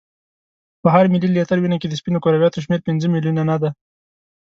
په هر ملي لیتر وینه کې د سپینو کرویاتو شمیر پنځه میلیونه نه دی.